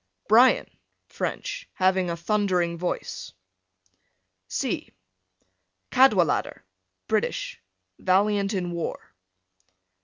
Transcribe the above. Brian, French, having a thundering voice. C Cadwallader, British, valiant in war.